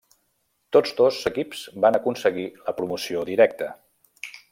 Tots dos equips van aconseguir la promoció directa.